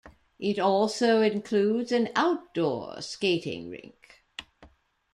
It also includes an outdoor skating rink.